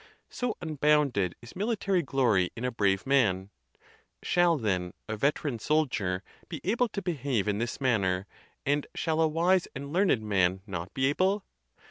So unbounded is military glory in a brave man! Shall, then, a veteran soldier be able to behave in this manner, and shall a wise and learned man not be able?